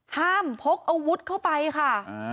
พกอาวุธเข้าไปค่ะ